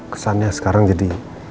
kesannya sekarang jadi